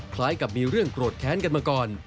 คล้ายกับมีเรื่องโกรธแค้นกันมาก่อน